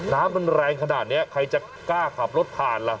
น้ำมันแรงขนาดนี้ใครจะกล้าขับรถผ่านล่ะ